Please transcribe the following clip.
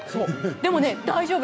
でも大丈夫。